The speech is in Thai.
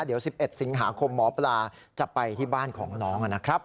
เดี๋ยว๑๑สิงหาคมหมอปลาจะไปที่บ้านของน้องนะครับ